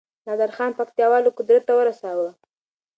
نادرخان پکتياوالو قدرت ته ورساوه